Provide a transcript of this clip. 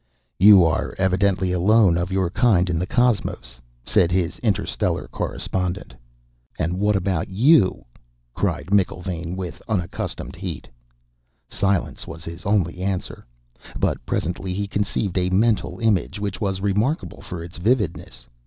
"You are evidently alone of your kind in the cosmos," said his interstellar correspondent. "And what about you?" cried McIlvaine with unaccustomed heat. Silence was his only answer, but presently he conceived a mental image which was remarkable for its vividness.